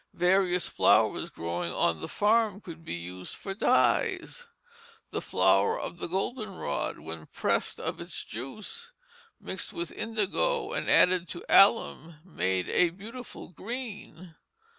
Various flowers growing on the farm could be used for dyes. The flower of the goldenrod, when pressed of its juice, mixed with indigo, and added to alum, made a beautiful green.